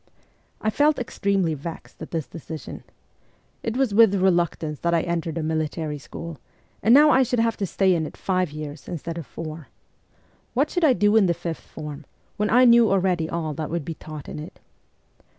I felt extremely vexed at this decision. It was with reluctance that I entered a military school, and now I should have to stay in it five years instead of four. What should I do in the fifth form, when I knew already all that would be taught in it